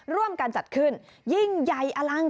ร่วมการจัดขึ้นยิ่งใหญ่อลังการมาก